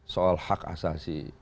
soal hak asasi